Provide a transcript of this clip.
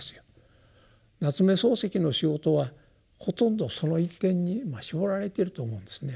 夏目漱石の仕事はほとんどその一点に絞られてると思うんですね。